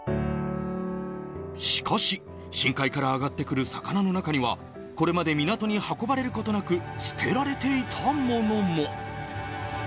しかし、深海から上がってくる魚の中には、これまで港に運ばれることなく捨てられていたものも。